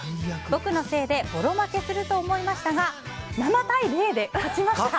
僕のせいでボロ負けすると思いましたが７対０で勝ちました！